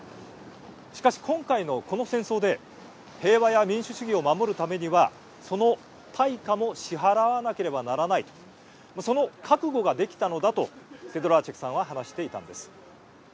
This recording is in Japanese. しかし今回のこの戦争で平和や民主主義を守るためにはその対価も支払わなければならないとその覚悟ができたのだとセドラーチェクさんは話していたんです。